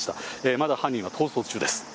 まだ犯人は逃走中です。